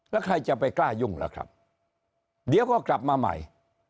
แล้วใครจะไปกล้ายุ่งล่ะครับเดี๋ยวก็กลับมาใหม่